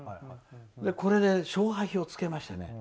これで勝敗をつけましてね